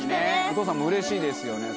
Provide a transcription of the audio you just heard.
お父さんもうれしいですよね